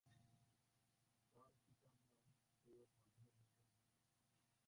তার পিতার নাম সৈয়দ মাজহার হোসেন রিজভী।